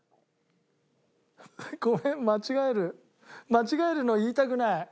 間違えるの言いたくない。